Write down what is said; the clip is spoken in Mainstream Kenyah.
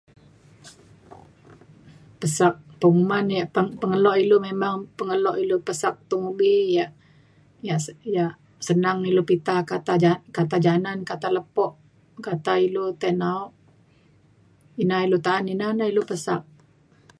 Pesak penguman ia’ peng- pengelo ilu memang pengelo ilu pesak tung ubi ia’ ia’ ia’ senang me ilu pita kata ja kata janan kata lepo kata ilu tai nao ina ilu ta’an ina na ilu pesak.